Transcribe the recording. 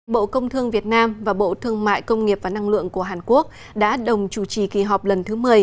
bộ công thương việt nam và bộ thương mại công nghiệp và năng lượng của hàn quốc đã đồng chủ trì kỳ họp lần thứ một mươi